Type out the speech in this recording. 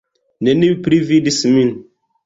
Neniu pli vidis min.